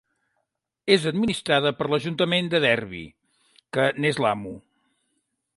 És administrada per l'Ajuntament de Derby, que n'és l'amo.